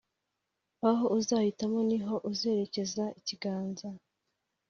aho uzahitamo, ni ho uzerekeza ikiganza